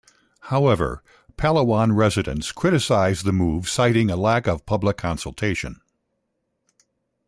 However, Palawan residents criticized the move citing a lack of public consultation.